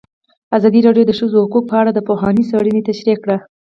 ازادي راډیو د د ښځو حقونه په اړه د پوهانو څېړنې تشریح کړې.